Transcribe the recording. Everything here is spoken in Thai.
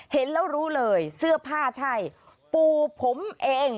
เห็นแล้วรู้เลยเสื้อผ้าใช่ปูผมเอง